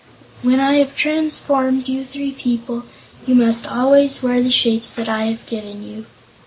When I have transformed you three people, you must always wear the shapes that I have given you."